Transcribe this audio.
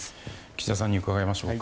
岸田さんに伺いましょう。